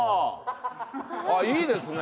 あっいいですね。